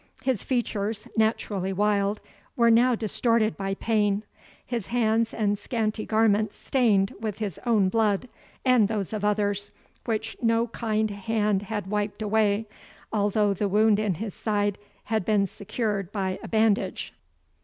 His features, naturally wild, were now distorted by pain; his hands and scanty garments stained with his own blood, and those of others, which no kind hand had wiped away, although the wound in his side had been secured by a bandage.